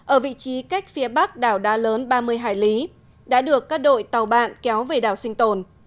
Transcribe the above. ở vị trí cách phía bắc đảo đá lớn ba mươi hải lý đã được các đội tàu bạn kéo về đảo sinh tồn